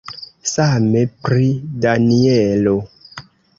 Same pri Danjelo.